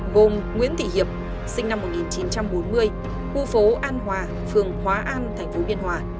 gồm nguyễn thị hiệp sinh năm một nghìn chín trăm bốn mươi khu phố an hòa phường hóa an tp biên hòa